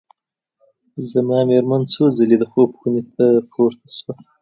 زما مېرمن څو ځلي د خوب خونې ته پورته شوه.